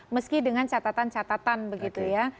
meski dengan catatan catatan begitu ya